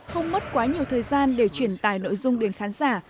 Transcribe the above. không mất quá nhiều thời gian để truyền tài nội dung đến khán giả